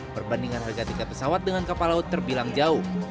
perbandingan harga tiket pesawat dengan kapal laut terbilang jauh